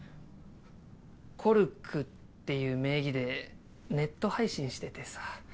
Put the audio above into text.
ＫＯＲＵＫＵっていう名義でネット配信しててさ。